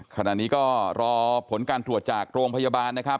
ขณะนี้ก็รอผลการตรวจจากโรงพยาบาลนะครับ